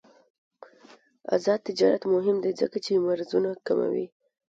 آزاد تجارت مهم دی ځکه چې مرزونه کموي.